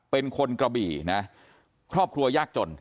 เป็นคนกระบี่นะครอบครัวยากจน